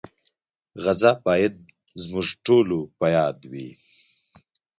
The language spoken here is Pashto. غزه باید زموږ ټولو په یاد وي.